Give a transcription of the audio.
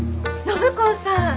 暢子さぁ！